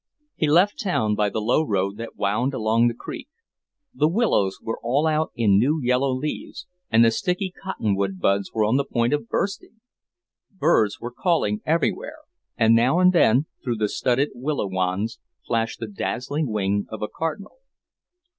He left town by the low road that wound along the creek. The willows were all out in new yellow leaves, and the sticky cotton wood buds were on the point of bursting. Birds were calling everywhere, and now and then, through the studded willow wands, flashed the dazzling wing of a cardinal.